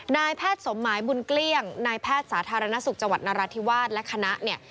นายแพทย์สมหมายบุญเกลี้ยงนายแพทย์สาธารณสุขจังหวัดนราธิวาสและคณะเนี่ย